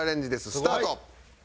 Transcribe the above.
スタート！